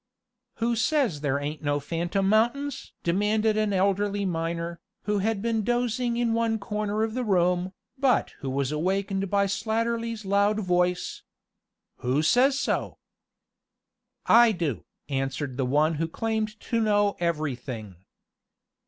"Who says there ain't no Phantom Mountains?" demanded an elderly miner, who had been dozing in one corner of the room, but who was awakened by Slatterly's loud voice. "Who says so?" "I do," answered the one who claimed to know everything.